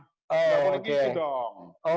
gak boleh gitu dong